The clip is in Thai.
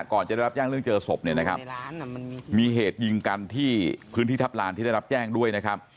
ก่อนจะได้รับแจ้งเรื่องเจอศพเนี่ยนะครับมีเหตุยิงกันที่พื้นที่ทัพลานที่ได้รับแจ้งด้วยนะครับ